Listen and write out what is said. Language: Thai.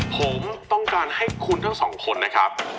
ผมต้องการให้คุณทั้งสองคนนะครับ